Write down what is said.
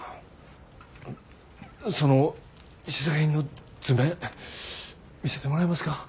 その試作品の図面見せてもらえますか？